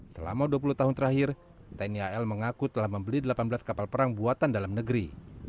selama dua puluh tahun terakhir tni al mengaku telah membeli delapan belas kapal perang buatan dalam negeri